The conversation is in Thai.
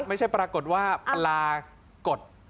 ไม่ใช่ปรากฏว่าปลากด